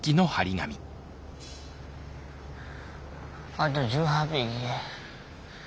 あと１８匹。